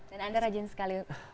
dan anda rajin sekali